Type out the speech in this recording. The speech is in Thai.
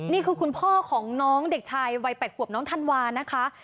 นี่คือคุณพ่อของน้องเด็กชายวัย๘ขวบน้องธันวานะคะ